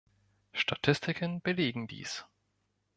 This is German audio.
Statistiken belegen dies.